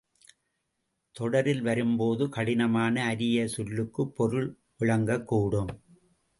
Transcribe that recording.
தொடரில் வரும் போது, கடினமான அரிய சொல்லுக்கும் பொருள் விளங்கக் கூடும்.